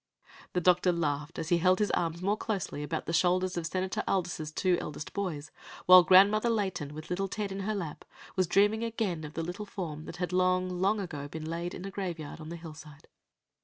The doctor laughed as he held his arms more closely about the shoulders of Senator Aldis's two eldest boys; while "Grandmother Layton," with little Ted in her lap, was dreaming again of the little form that had long, long ago been laid in the graveyard on the hillside.